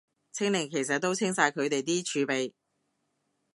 清零其實都清晒佢哋啲儲備